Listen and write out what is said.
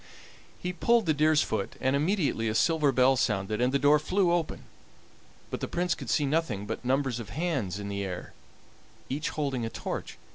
He pulled the deer's foot, and immediately a silver bell sounded and the door flew open, but the Prince could see nothing but numbers of hands in the air, each holding a torch.